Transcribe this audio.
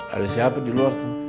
ada siapa di luar sana